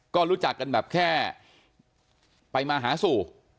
ก็รู้จักกันแบบแค่ไปมาหาสู่